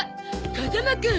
風間くん！